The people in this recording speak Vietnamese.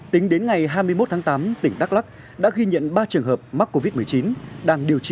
tính đến ngày hai mươi một tháng tám tỉnh đắk lắc đã ghi nhận ba trường hợp mắc covid một mươi chín